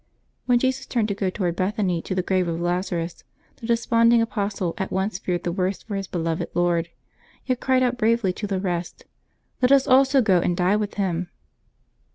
" When Jesus turned to go toward Bethany to the grave of Lazarus, the desponding apostle at once feared the worst for his beloved Lord, yet cried out bravely to the rest: "Let us also go and die with Him."